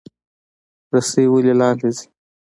ریښې ولې لاندې ځي؟